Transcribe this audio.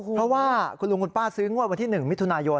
เพราะว่าคุณลุงคุณป้าซื้องวดวันที่๑มิถุนายน